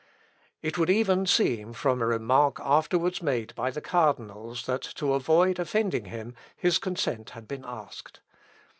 It would even seem, from a remark afterwards made by the cardinals that, to avoid offending him, his consent had been asked.